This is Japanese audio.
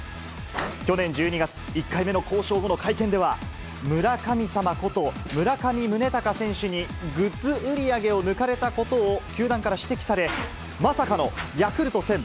去年１２月、１回目の交渉後の会見では、村神様こと、村上宗隆選手にグッズ売り上げを抜かれたことを、球団から指摘され、まさかのヤクルト１０００